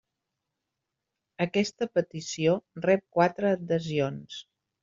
Aquesta petició rep quatre adhesions.